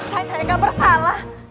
saya nggak bersalah